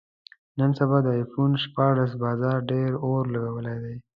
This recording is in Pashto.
نن سبا د ایفون شپاړس بازار ډېر اور لګولی دی.